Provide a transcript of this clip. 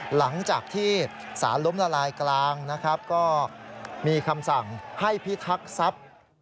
หลังจากที่สารล้มละลายกลางนะครับก็มีคำสั่งให้พิทักษัพ